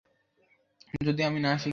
যদি আমি না আসি - কী?